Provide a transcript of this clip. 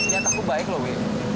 ternyata aku baik loh wi